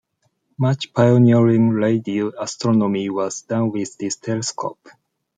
Much pioneering radio astronomy was done with this telescope.